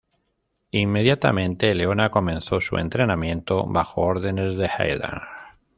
Inmediatamente, Leona comenzó su entrenamiento bajo órdenes de Heidern.